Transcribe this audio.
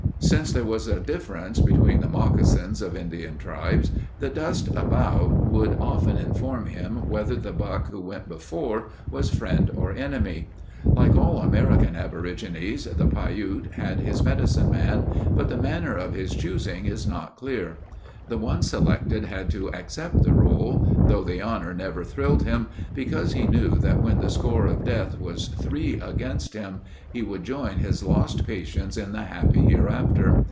Since there was a difference between the moccasins of Indian tribes, the dust about would often inform him whether the buck who went before was friend or enemy. Like all American aborigines, the Piute had his medicine man, but the manner of his choosing is not clear. The one selected had to accept the role, though the honor never thrilled him, because he knew that when the score of death was three against him he would join his lost patients in the happy hereafter.